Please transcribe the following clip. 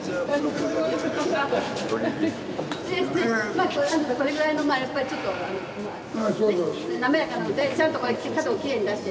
まあこれぐらいのやっぱりちょっと滑らかなのでちゃんと角をきれいに出して。